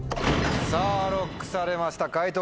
さぁＬＯＣＫされました解答